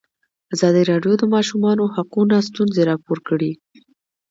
ازادي راډیو د د ماشومانو حقونه ستونزې راپور کړي.